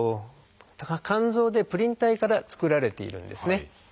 肝臓でプリン体から作られているんですね。